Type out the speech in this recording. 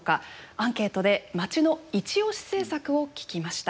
アンケートでまちのイチオシ政策を聞きました。